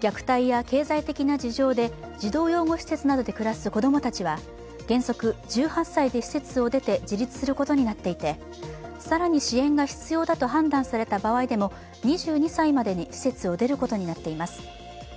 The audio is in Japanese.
虐待や経済的な事情で児童養護施設などで暮らす子供たちは、原則１８歳で施設を出て自立することになっていて更に支援が必要だと判断された場合でも２２歳までに施設を出ることになっています。